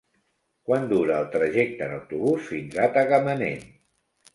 Quant dura el trajecte en autobús fins a Tagamanent?